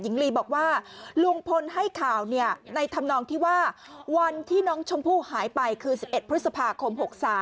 หญิงลีบอกว่าลุงพลให้ข่าวในธรรมนองที่ว่าวันที่น้องชมพู่หายไปคือ๑๑พฤษภาคม๖๓